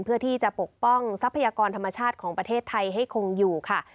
เพื่อที่จะปกป้องทรัพยากรธรรมชาติของประเทศไทยให้คงอยู่ค่ะ